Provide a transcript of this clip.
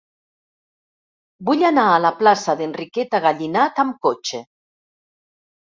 Vull anar a la plaça d'Enriqueta Gallinat amb cotxe.